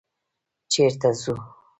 _چېرته ځو؟